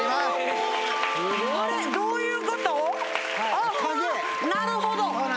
あっなるほど！